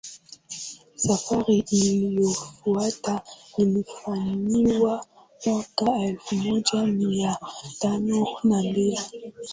Safari iliyofuata ilifanywa mwaka elfu moja mia tano na mbili